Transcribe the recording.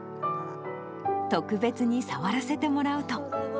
特別に触らせてもらうと。